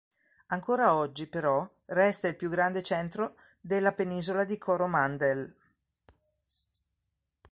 Ancora oggi, però, resta il più grande centro della Penisola di Coromandel.